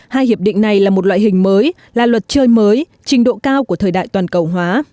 hai hiệp định này là một loại hình mới là luật chơi mới trình độ cao của thời đại toàn cầu hóa